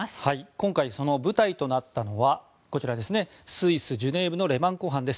今回その舞台となったのはこちら、スイス・ジュネーブのレマン湖畔です。